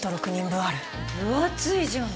分厚いじゃん。